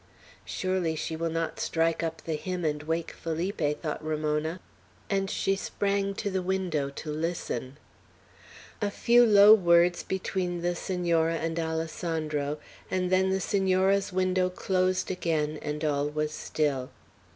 "Surely she will not strike up the hymn and wake Felipe," thought Ramona; and she sprang again to the window to listen. A few low words between the Senora and Alessandro, and then the Senora's window closed again, and all was still.